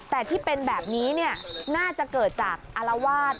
แต่ที่เป็นแบบนี้น่าจะเกิดจากอารวาส